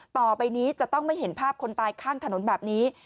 ต่อไปนี้จะต้องไม่เห็นภาพคนตายข้างถนนแบบนี้